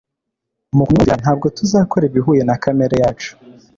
mu kumwumvira ntabwo tuzakora ibihuye na kamere yacu.